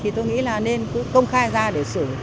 thế như thế nào thì tôi nghĩ là nên cũng công khai ra để xử